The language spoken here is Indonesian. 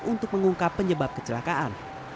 untuk mengungkap penyebab kecelakaan